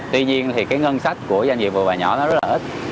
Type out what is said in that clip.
tuy nhiên thì cái ngân sách của doanh nghiệp vừa và nhỏ nó rất là ít